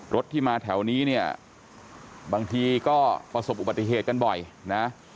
รถที่มาแถวนี้เนี่ยบางทีก็ประสบอุบัติเหตุกันบ่อยนะ